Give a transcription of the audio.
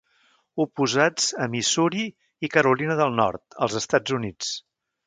Oposats a Missouri i Carolina del Nord als Estats Units.